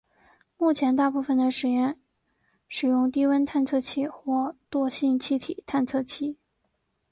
目前大部分的实验使用低温探测器或惰性液体探测器。